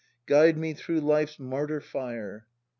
Guide me through Hfe's martyr fire!